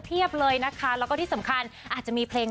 เลยนะคะแล้วก็ที่สำคัญอาจจะมีเพลง